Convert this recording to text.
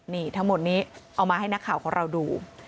นี่ทั้งหมดนี้เอามาให้นักข่าวของเราดู